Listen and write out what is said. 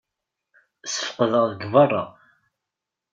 Ssfeqdeɣ deg berra.